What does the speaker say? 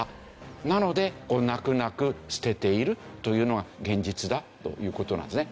なので泣く泣く捨てているというのが現実だという事なんですね。